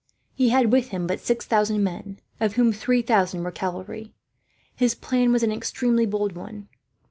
He had with him but six thousand men, of whom three thousand were cavalry. His plan was an extremely bold one.